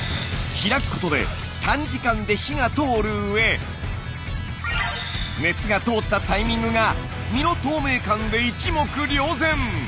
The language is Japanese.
開くことで短時間で火が通るうえ熱が通ったタイミングが身の透明感で一目瞭然。